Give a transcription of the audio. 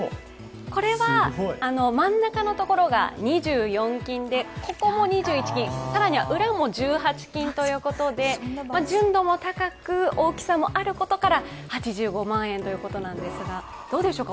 これは真ん中のところが２４金でここも２１金、さらには裏も１８金ということで純度も高く、大きさもあることから８５万円ということなんですがどうでしょうか？